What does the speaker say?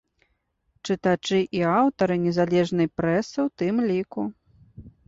Чытачы і аўтары незалежнай прэсы ў тым ліку.